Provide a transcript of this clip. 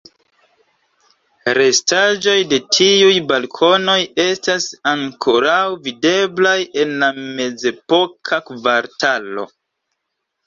Restaĵoj de tiuj balkonoj estas ankoraŭ videblaj en la mezepoka kvartalo.